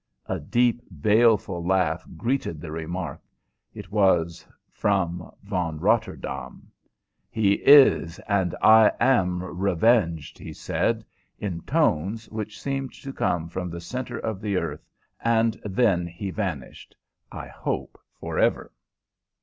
A deep, baleful laugh greeted the remark. It was from Von Rotterdaam. "He is! And I am revenged!" he said, in tones which seemed to come from the centre of the earth, and then he vanished I hope, forever.